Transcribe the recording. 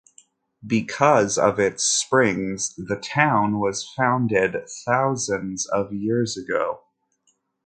Because of its springs, the town was founded thousands of years ago.